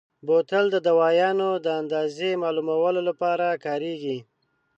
بوتل د دوایانو د اندازې معلومولو لپاره کارېږي.